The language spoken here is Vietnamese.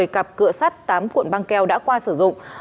một mươi cặp cựa sắt tám cuộn băng keo đã qua sử dụng